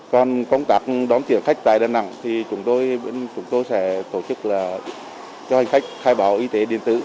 còn công tác đón tiền khách tại đà nẵng thì chúng tôi sẽ tổ chức là cho hành khách khai báo y tế điện tử